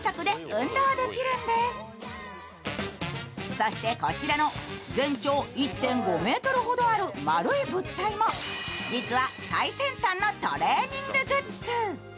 そしてこちらの全長１．５ｍほどある丸い物体も、実は最先端のトレーニンググッズ。